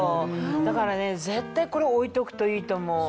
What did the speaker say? だからね絶対これ置いとくといいと思う。